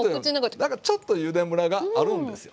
だからちょっとゆでムラがあるんですよ。